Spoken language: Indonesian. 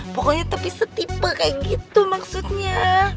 pokoknya tapi setipe kaya gitu maksudnya